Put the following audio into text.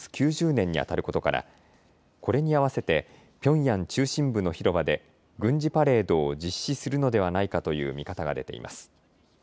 ９０年にあたることからこれに合わせてピョンヤン中心部の広場で軍事パレードを実施するのではないかという見方が出ています。